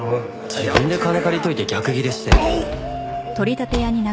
自分で金借りといて逆ギレして。